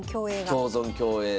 共存共栄。